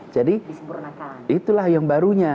jadi itulah yang barunya